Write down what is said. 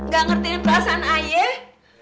gak ngerti perasaan ayah